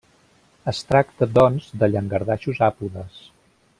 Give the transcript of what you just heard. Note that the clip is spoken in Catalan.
Es tracta, doncs, de llangardaixos àpodes.